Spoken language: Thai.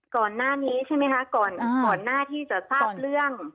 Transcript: ก่อนหน้านี้ใช่ไหมคะก่อนหน้าที่จะทราบเรื่อง